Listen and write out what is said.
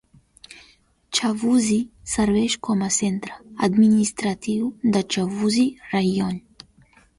Chavusy serveix com a centre administratiu de Chavusy Raion.